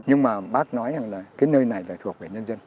nhưng mà bác nói rằng là cái nơi này là thuộc về nhân dân